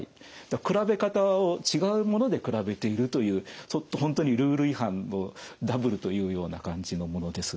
比べ方を違うもので比べているという本当にルール違反のダブルというような感じのものです。